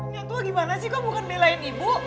nyatua gimana sih kok bukan belain ibu